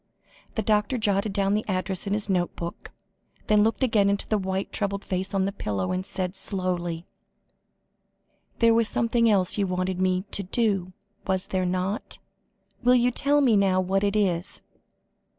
The doctor jotted down the address in his notebook, then looked again into the white, troubled face on the pillow, and said slowly: "There was something else you wanted me to do, was there not? Will you tell me now what it is?"